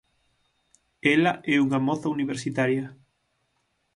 Ela é unha moza universitaria.